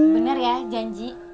bener ya janji